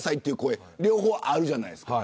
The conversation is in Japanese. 両方あるじゃないですか。